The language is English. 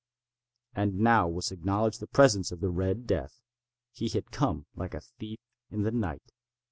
And now was acknowledged the presence of the Red Death. He had come like a thief in the night.